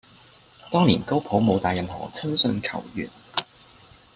當年高普冇帶任何親信球員